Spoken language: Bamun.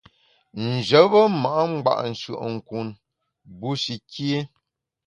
Njebe ma’ ngba’ nshùe’nkun bushi kié.